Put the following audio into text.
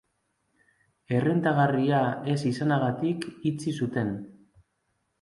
Errentagarria ez izanagatik itxi zuten.